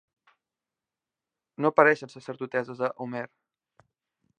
No apareixen sacerdotesses a Homer.